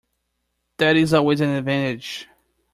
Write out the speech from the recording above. That is always an advantage.